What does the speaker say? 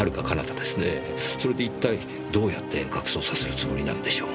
それで一体どうやって遠隔操作するつもりなんでしょう。